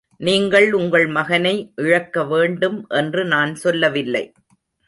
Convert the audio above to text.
நீங்கள் உங்கள் மகனை இழக்க வேண்டும் என்று நான் சொல்லவில்லை.